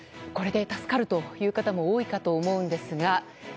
これで助かるという方も多いかと思うんですが。